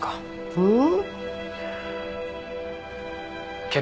うん。